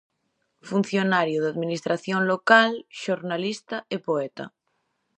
Funcionario da Administración local, xornalista e poeta.